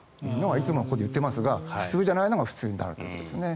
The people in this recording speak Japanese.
いつもここで言っていますが普通じゃないのが普通になるということですね。